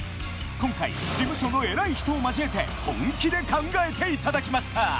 今回事務所の偉い人を交えて本気で考えて頂きました！